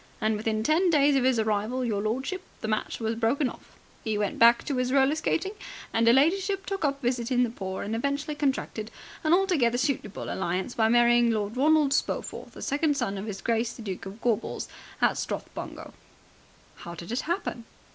And within ten days of his arrival, your lordship, the match was broken off. He went back to 'is roller skating, and 'er ladyship took up visiting the poor and eventually contracted an altogether suitable alliance by marrying Lord Ronald Spofforth, the second son of his Grace the Duke of Gorbals and Strathbungo." "How did it happen?"